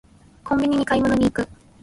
コンビニに買い物に行く